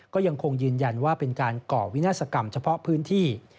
ก็ยังคงยืนยันว่าเป็นการก่อวินาศกรรมเฉพาะพื้นที่